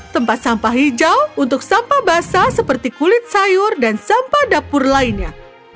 tempat sampah hijau untuk sampah basah seperti kulit sayur dan sampah dapur lainnya